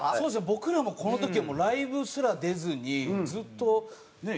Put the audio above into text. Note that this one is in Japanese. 僕らもこの時はライブすら出ずにずっとねえ。